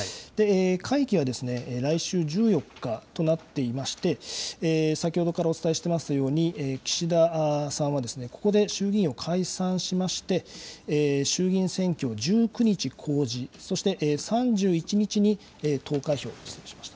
会期は来週１４日となっていまして、先ほどからお伝えしていますように、岸田さんは、ここで衆議院を解散しまして、衆議院選挙を１９日公示、そして３１日に投開票としました。